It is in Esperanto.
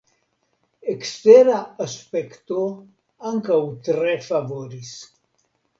Ekstera aspekto ankaŭ tre favoris.